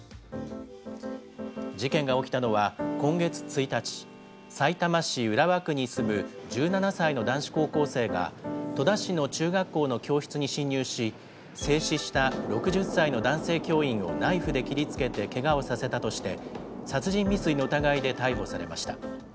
事件が起きたのは今月１日、さいたま市浦和区に住む１７歳の男子高校生が、戸田市の中学校の教室に侵入し、制止した６０歳の男性教員をナイフで切りつけてけがをさせたとして、殺人未遂の疑いで逮捕されました。